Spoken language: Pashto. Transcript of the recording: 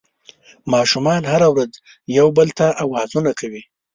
ماشومان هره ورځ یو بل ته اوازونه کوي